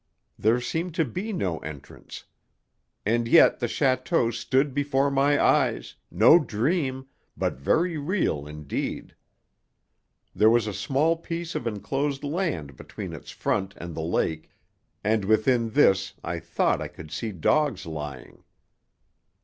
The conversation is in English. There seemed to be no entrance. And yet the château stood before my eyes, no dream, but very real indeed. There was a small piece of enclosed land between its front and the lake, and within this I thought I could see dogs lying.